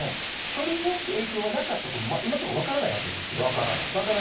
それによって影響がなかったと、今のところ分からないわけですよね。分からない。